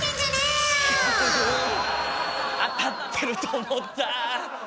当たってると思った！